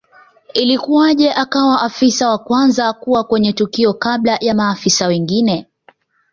Ilikuwaje akawa Afisa wa kwanza kuwa kwenye tukio kabla ya maafisa wengine